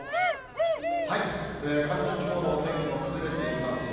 関東地方のお天気も崩れていきますよ。